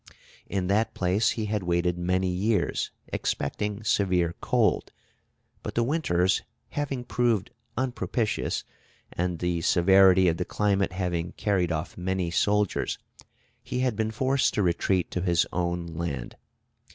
In that place he had waited many years, expecting severe cold; but the winters having proved unpropitious, and the severity of the climate having carried off many soldiers, he had been forced to retreat to his own land.